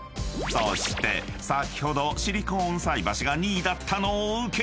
［そして先ほどシリコーン菜箸が２位だったのを受け］